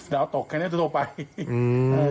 ดาวตกแค่นี้ทั่วไป